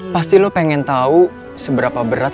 pasti lo pengen tahu seberapa berat